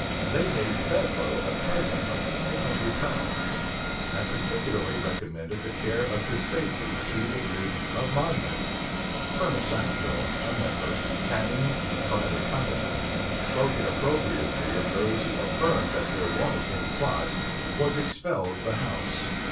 They made Bedloe a present of five hundred pounds; and particularly recommended the care of his safety to the duke of Monmouth. Colonel Sackville, a member, having, in a private company, spoken opprobriously of those who affirmed that there was any plot, was expelled the house.